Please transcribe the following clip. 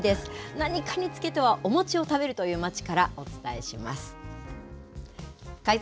何かにつけてはお餅を食べるという町からお伝えします。